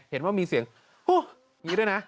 เห็นว่ามีเสียงอย่างนี้ด้วยนะ